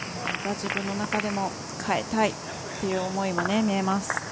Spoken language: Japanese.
自分の中でも変えたいという思いが見えます。